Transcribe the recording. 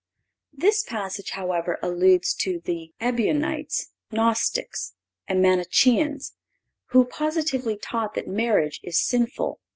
(535) This passage, however, alludes to the Ebionites, Gnostics and Manicheans, who positively taught that marriage is sinful.